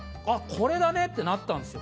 これだねってなったんですよ